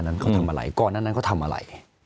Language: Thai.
ย้อนกลับไปว่า